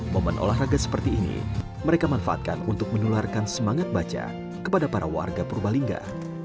momen olahraga seperti ini mereka manfaatkan untuk menularkan semangat baca kepada para warga purbalingga